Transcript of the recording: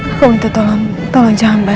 aku mau beli kajian mbak